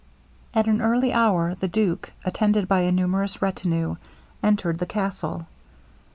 At an early hour the duke, attended by a numerous retinue, entered the castle.